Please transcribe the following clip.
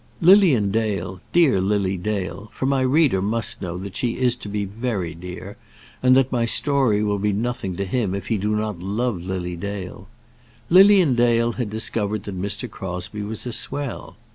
Lilian Dale, dear Lily Dale for my reader must know that she is to be very dear, and that my story will be nothing to him if he do not love Lily Dale Lilian Dale had discovered that Mr. Crosbie was a swell.